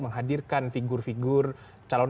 menghadirkan figur figur calon